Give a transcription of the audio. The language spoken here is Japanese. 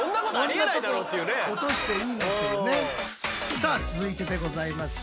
さあ続いてでございます。